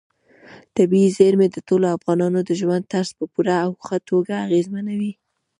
طبیعي زیرمې د ټولو افغانانو د ژوند طرز په پوره او ښه توګه اغېزمنوي.